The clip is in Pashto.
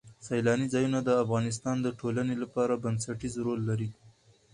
سیلانی ځایونه د افغانستان د ټولنې لپاره بنسټيز رول لري.